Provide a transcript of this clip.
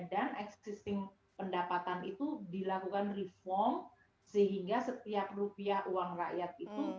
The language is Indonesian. dan existing pendapatan itu dilakukan reform sehingga setiap rupiah uang rakyat itu